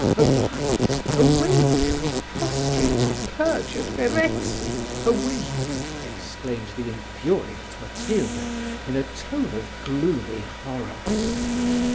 "Arise! awake! prostrate, perjured Verezzi, awake!" exclaimed the infuriate Matilda, in a tone of gloomy horror.